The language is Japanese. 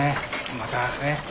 またね。